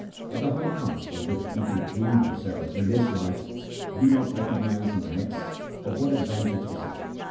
If the high caste on which people plume themselves in this life be not recognized in the next, of what advantage is it